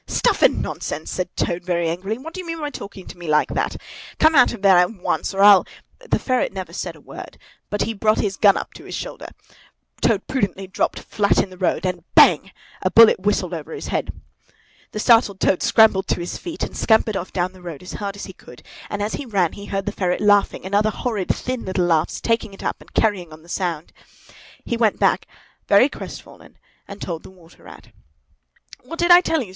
"Stuff and nonsense!" said Toad, very angrily. "What do you mean by talking like that to me? Come out of that at once, or I'll——" The ferret said never a word, but he brought his gun up to his shoulder. Toad prudently dropped flat in the road, and Bang! a bullet whistled over his head. The startled Toad scrambled to his feet and scampered off down the road as hard as he could; and as he ran he heard the ferret laughing and other horrid thin little laughs taking it up and carrying on the sound. He went back, very crestfallen, and told the Water Rat. "What did I tell you?"